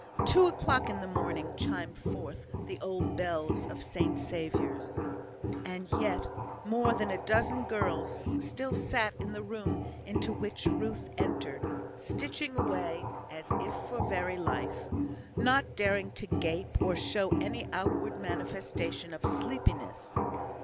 Two o'clock in the morning chimed forth the old bells of St Saviour's. And yet more than a dozen girls still sat in the room into which Ruth entered, stitching away as if for very life, not daring to gape, or show any outward manifestation of sleepiness.